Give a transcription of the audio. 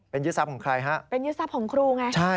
เป็นยึดทรัพย์ของใครฮะใช่ฮะเป็นยึดทรัพย์ของครูไง